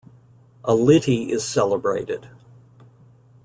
A Lity is celebrated.